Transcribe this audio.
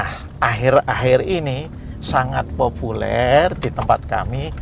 nah akhir akhir ini sangat populer di tempat kami